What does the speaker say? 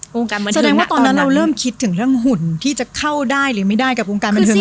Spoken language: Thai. โรงการบรรเทิงอ่ะตอนนั้นแสดงว่าตอนนั้นเราเริ่มคิดถึงเรื่องหุ่นที่จะเข้าได้หรือไม่ได้กับโรงการบรรเทิงละ